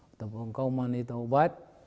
ataupun kau mau menitahubat